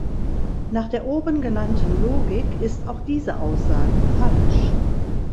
Nach der oben genannten Logik ist auch diese Aussage falsch.